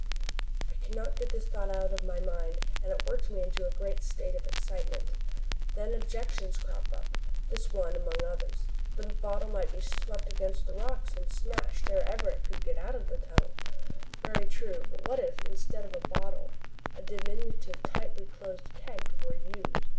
I cannot get this thought out of my mind, and it works me up into a great state of excitement. Then objections crop up this one among others: the bottle might be swept against the rocks and smashed ere ever it could get out of the tunnel. Very true, but what if, instead of a bottle a diminutive, tightly closed keg were used?